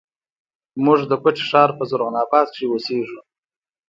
موږ د کوټي ښار په زرغون آباد کښې اوسېږو